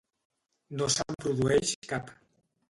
No se'n produeix cap.